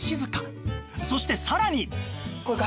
そしてさらに